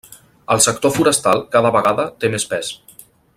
El sector forestal cada vegada té més pes.